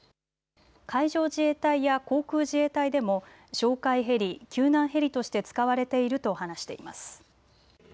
海上自衛隊や航空自衛隊でも哨戒ヘリ、救難ヘリとして使われていると話しています。